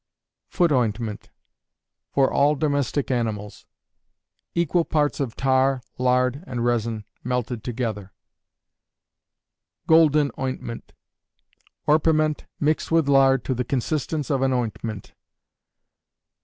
Foot Ointment (for all domestic animals). Equal parts of tar, lard and resin, melted together. Golden Ointment. Orpiment, mixed with lard to the consistence of an ointment.